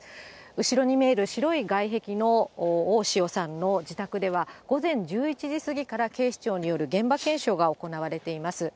後ろに見える白い外壁の大塩さんの自宅では、午前１１時過ぎから警視庁による現場検証が行われています。